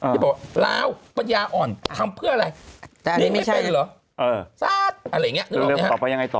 ที่บอกล้าวประยาอ่อนทำเพื่ออะไรนี่ไม่เป็นเหรอซาดอะไรอย่างนี้